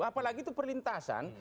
apalagi itu perlintasan